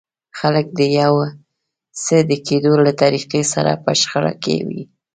خلک د يو څه د کېدو له طريقې سره په شخړه کې وي.